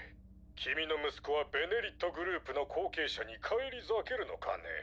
君の息子は「ベネリット」グループの後継者に返り咲けるのかね？